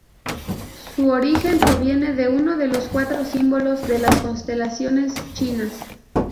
Su origen proviene de uno de los cuatro símbolos de las constelaciones chinas.